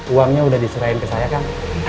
uangnya udah diserahin ke saya kang